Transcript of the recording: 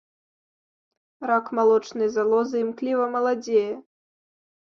Рак малочнай залозы імкліва маладзее.